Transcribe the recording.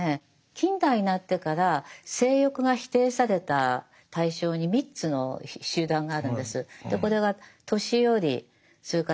近代になってから性欲が否定された対象に３つの集団があるんです。